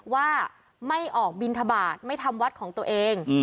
ว่าไม่ออกบินทบาทไม่ทำวัดของตัวเอง